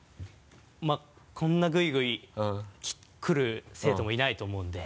まぁこんなグイグイ来る生徒もいないと思うんで。